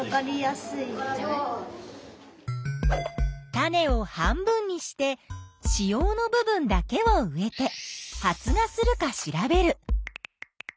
種を半分にして子葉の部分だけを植えて発芽するか調べる。